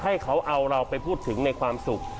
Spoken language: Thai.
ให้เขาเอาเราไปพูดถึงในความสุข